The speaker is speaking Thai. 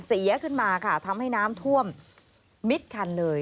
เสียขึ้นมาค่ะทำให้น้ำท่วมมิดคันเลย